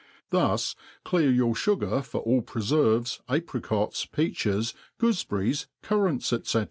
' Thus^ clear your fugar for all preferves^ apricots^ pe^es, £Oofebcrries, currants, ice.